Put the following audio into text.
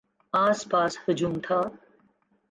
آس پاس ہجوم تھا۔